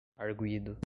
arguido